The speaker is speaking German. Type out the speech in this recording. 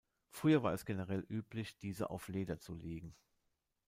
Früher war es generell üblich, diese auf Leder zu legen.